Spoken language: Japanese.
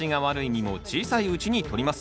実も小さいうちにとります。